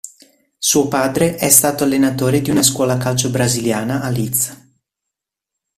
Suo padre è stato allenatore di una scuola calcio brasiliana a Leeds.